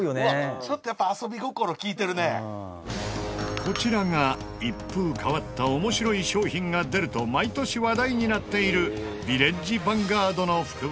「ちょっとやっぱこちらが一風変わった面白い商品が出ると毎年話題になっているヴィレッジヴァンガードの福袋。